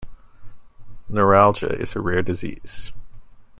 Neuralgia is a rare disease.